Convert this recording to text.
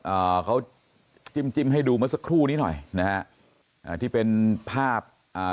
อ่าเขาจิ้มจิ้มให้ดูเมื่อสักครู่นี้หน่อยนะฮะอ่าที่เป็นภาพอ่า